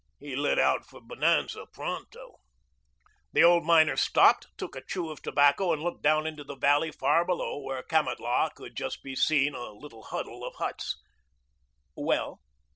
He lit out for Bonanza pronto." The old miner stopped, took a chew of tobacco, and looked down into the valley far below where Kamatlah could just be seen, a little huddle of huts. "Well?"